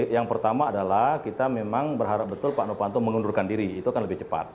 yang pertama adalah kita memang berharap betul pak novanto mengundurkan diri itu akan lebih cepat